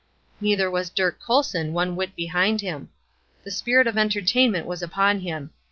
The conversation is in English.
Neither was Dirk Colson one whit behind him. The spirit of entertainment was upon him.